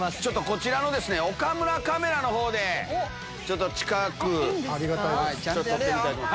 こちらの岡村カメラの方で近く撮ってみたいと思います。